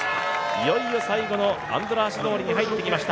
いよいよ最後のアンドラーシ通りに入ってきました。